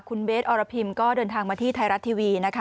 คุณเบสอรพิมก็เดินทางมาที่ไทยรัฐทีวีนะคะ